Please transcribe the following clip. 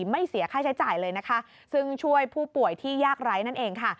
ไม่เสียค่าใช้จ่ายเลยนะคะซึ่งช่วยผู้ป่วยที่ยากไร้นั่นเองค่ะ